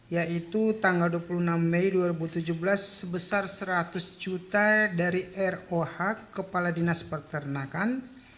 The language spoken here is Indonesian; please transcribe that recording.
yaitu tanggal dua puluh enam mei dua ribu tujuh belas sebesar seratus juta dari roh kepala dinas pertanakan